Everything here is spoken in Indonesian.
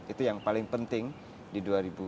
itu yang paling penting di